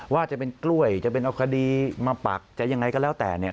ว่าจะเป็นกล้วยจะเป็นเอาคดีมาปักจะยังไงก็แล้วแต่